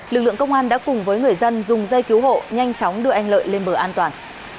lực lượng công an đã cùng với người dân dùng dây cứu hộ nhanh chóng đưa anh lợi lên bờ an toàn